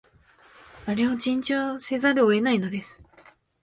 あれを珍重せざるを得ないのです